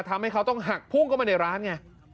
ทำให้เขาต้องหักพุ่งเข้ามาในร้านไง